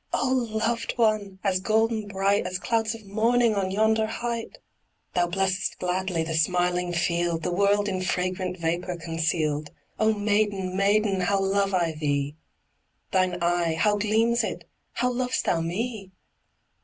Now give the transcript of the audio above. oh loved one! As golden bright, As clouds of morning On yonder height! Thou blessest gladly The smiling field, The world in fragrant Vapour conceal'd. Oh maiden, maiden, How love I thee! Thine eye, how gleams it! How lov'st thou me!